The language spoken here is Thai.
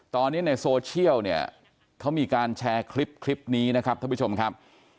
ตอนนี้ในโซเชียลเนี่ยเขามีการแชร์คลิปนี้นะครับท่านผู้ชมครับ